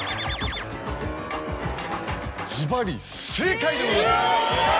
ズバリ正解でございます！